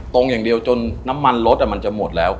อย่างเดียวจนน้ำมันรถมันจะหมดแล้ว